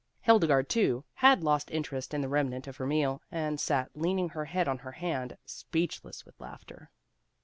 Hilde garde, too, had lost interest in the remnant of her meal, and sat leaning her head on her hand, speechless with laughter.